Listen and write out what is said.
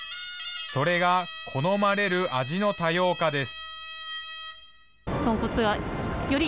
それが好まれる味の多様化です。